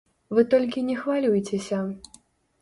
Вы толькі не хвалюйцеся.